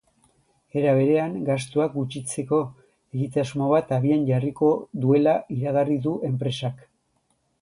Era berean, gastuak gutxitzeko egitasmo bat abian jarriko duela iragarri du enpresak.